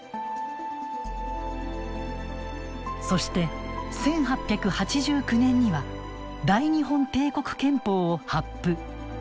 そして１８８９年には大日本帝国憲法を発布。